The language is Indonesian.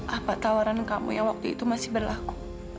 apa tawaran kamu yang waktu itu masih berlaku